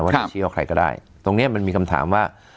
ว่าจะชี้เอาใครก็ได้ตรงนี้มันมีคำถามว่า